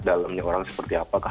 dalamnya orang seperti apakah